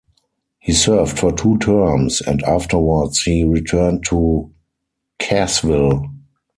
He served for two terms, and afterwards he returned to Cassville.